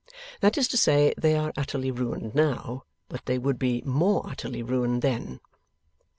That is say, they are utterly ruined now, but they would be more utterly ruined then.